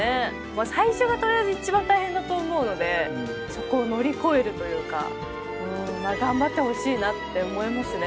最初がとりあえず一番大変だと思うのでそこを乗り越えるというか頑張ってほしいなって思いますね。